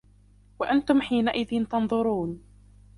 وأنتم حينئذ تنظرون